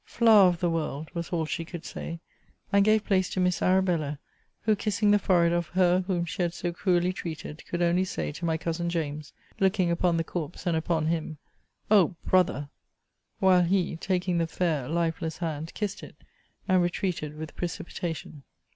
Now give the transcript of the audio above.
Flower of the world! was all she could say; and gave place to Miss Arabella; who kissing the forehead of her whom she had so cruelly treated, could only say, to my cousin James, (looking upon the corpse, and upon him,) O Brother! While he, taking the fair, lifeless hand, kissed it, and retreated with precipitation.